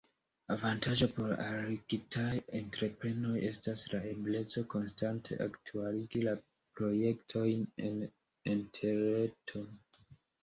Avantaĝo por la alligitaj entreprenoj estas la ebleco konstante aktualigi la projektojn en Interreto.